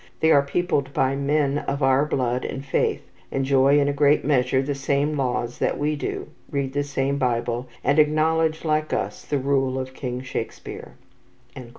"They are peopled by men of our blood and faith, enjoy in a great measure the same laws that we do, read the same Bible, and acknowledge, like us, the rule of King Shakespeare."